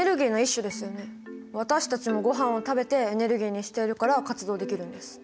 私たちもごはんを食べてエネルギーにしているから活動できるんです。